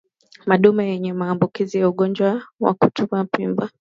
Madume yenye maambukizi ya ugonjwa wa kutupa mimba